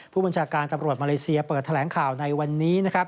ผู้บัญชาการตำรวจมาเลเซียเปิดแถลงข่าวในวันนี้นะครับ